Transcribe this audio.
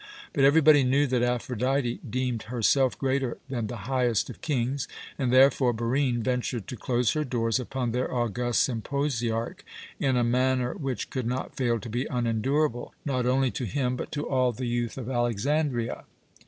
But everybody knew that Aphrodite deemed herself greater than the highest of kings, and therefore Barine ventured to close her doors upon their august symposiarch in a manner which could not fail to be unendurable, not only to him but to all the youth of Alexandria.